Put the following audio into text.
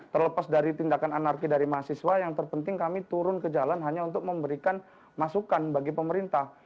terlepas dari tindakan anarki dari mahasiswa yang terpenting kami turun ke jalan hanya untuk memberikan masukan bagi pemerintah